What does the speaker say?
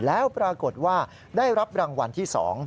แล้วปรากฏว่าได้รับรางวัลที่๒